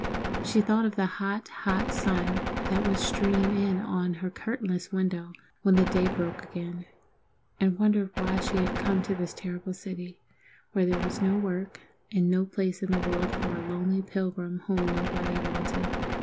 She thought of the hot, hot sun that would stream in at her curtainless window when the day broke again, and wondered why she had come to this terrible city, where there was no work, and no place in the world for a lonely pilgrim whom nobody wanted.